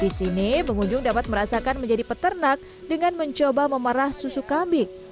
di sini pengunjung dapat merasakan menjadi peternak dengan mencoba memerah susu kambing